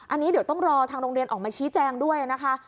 อันนี้เดี๋ยวต้องรอทางโรงเรียนออกมาชี้แจงด้วยนะคะ